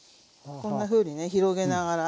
こんなふうにね広げながら。